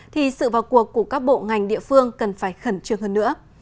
thì sự vào cuộc của các bộ ngành địa phương cần phải khẩn trương hơn nữa